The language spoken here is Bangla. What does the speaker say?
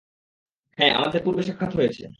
হ্যাঁ, আমাদের পূর্বে সাক্ষাৎ হয়েছে।